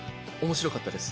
面白かったです。